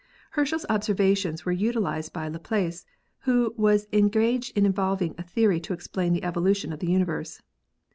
Herschel's observations were utilized by Laplace, who was engaged in evolving a theory to explain the evolution of the universe.